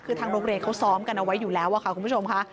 คือทางโรงเรียนเขาซ้อมกันเอาไว้อยู่แล้วค่ะคุณผู้ชมค่ะ